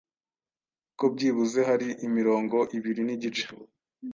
ko byibuze hari imirongo ibiri nigice